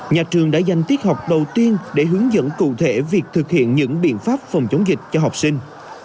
nhà trường đã dành tiết học đầu tiên để hướng dẫn cụ thể việc thực hiện những biện pháp phòng chống dịch cho học sinh